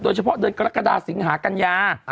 โดยเฉพาะจัดรักษ์ศิงหากัญญา